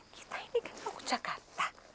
kita ini kan mau jakarta